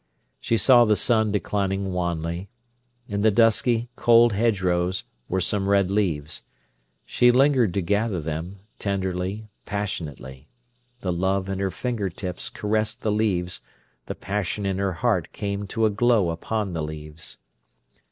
She saw the sun declining wanly. In the dusky, cold hedgerows were some red leaves. She lingered to gather them, tenderly, passionately. The love in her finger tips caressed the leaves; the passion in her heart came to a glow upon the leaves.